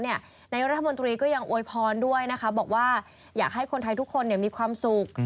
นายกรัฐมนตรีก็ยังอวยพรด้วยนะคะบอกว่าอยากให้คนไทยทุกคนมีความสุข